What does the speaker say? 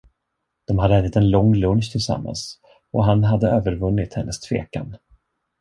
De hade ätit en lång lunch tillsammans, och han hade övervunnit hennes tvekan.